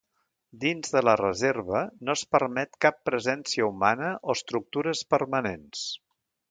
Dins de la reserva no es permet cap presència humana o estructures permanents.